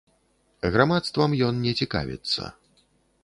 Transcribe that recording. Грамадствам ён не цікавіцца.